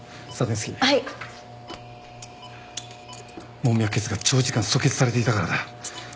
門脈血が長時間阻血されていたからだ。